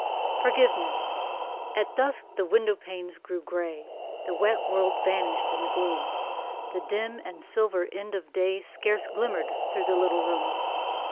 FORGIVENESS At dusk the window panes grew grey; The wet world vanished in the gloom; The dim and silver end of day Scarce glimmered through the little room.